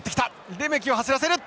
レメキを走らせる！